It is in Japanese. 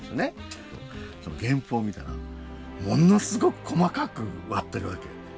原譜を見たらものすごく細かく割ってるわけ。